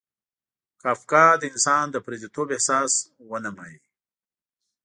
کافکا د انسان د پردیتوب احساس ونمایي.